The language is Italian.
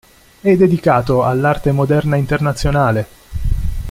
È dedicato all'arte moderna internazionale.